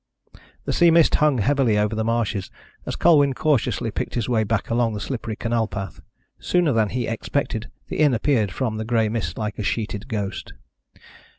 The sea mist hung heavily over the marshes as Colwyn cautiously picked his way back along the slippery canal path. Sooner than he expected, the inn appeared from the grey mist like a sheeted ghost.